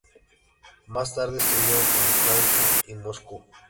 Más tarde estudió en Tashkent y Moscú.